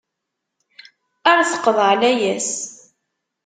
Ar teqḍeε layas.